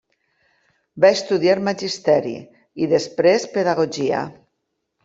Va estudiar magisteri i després pedagogia.